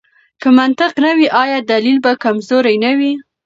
که منطق نه وي، آیا دلیل به کمزوری نه وي؟